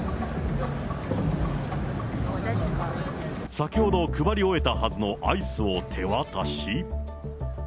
先ほど配り終えたはずのアイスを手渡し。